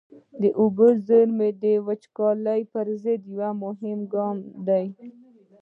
د اوبو زېرمه د وچکالۍ پر ضد یو مهم اقدام دی.